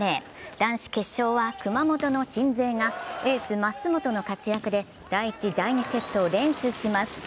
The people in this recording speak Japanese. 男子決勝は熊本の鎮西がエース・舛本の活躍で第１・第２セットを連取します。